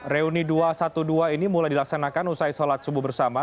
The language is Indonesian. reuni dua ratus dua belas ini mulai dilaksanakan usai sholat subuh bersama